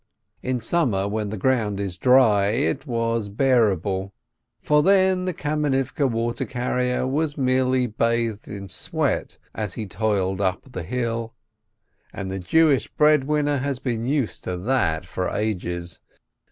In summer, when the ground is dry, it was bearable, for then the Kamenivke water carrier was merely bathed in sweat as he toiled up the hill, and the Jewish bread winner has been used to that for ages.